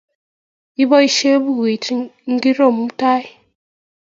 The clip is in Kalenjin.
Ipoisye pukuit ingoro mutai?